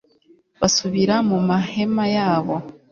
basubira mu mahema yabo